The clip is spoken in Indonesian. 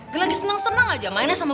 gak lagi seneng seneng aja mainnya sama gue